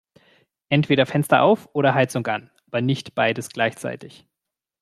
Entweder Fenster auf oder Heizung an, aber nicht beides gleichzeitig!